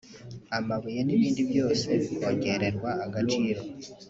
amabuye n’ibindi byose bikongererwa agaciro